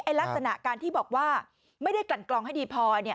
ไอ้ลักษณะการที่บอกว่าไม่ได้กรรกรองให้ดีพอเนี่ย